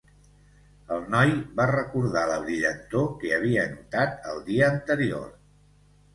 El noi va recordar la brillantor que havia notat el dia anterior.